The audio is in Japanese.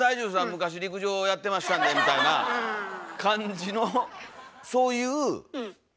昔陸上やってましたんで」みたいな感じのそういう。